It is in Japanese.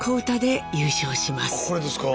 これですか？